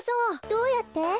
どうやって？